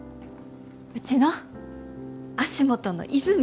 うちの足元の泉！